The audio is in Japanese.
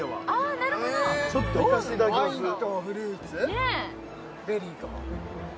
あなるほどちょっといかせていただきますどうなの？